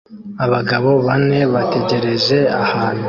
Abagabo bane bategereje ahantu